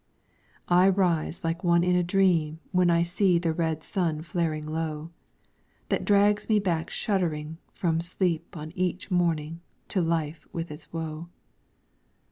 I rise like one in a dream when I see the red sun flaring low, That drags me back shuddering from sleep each morning to life with its woe.